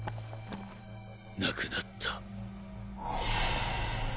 なくなった。